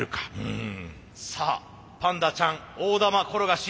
さあパンダちゃん大玉転がし